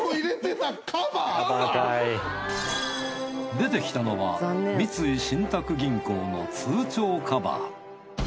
出てきたのは三井信託銀行の通帳カバー。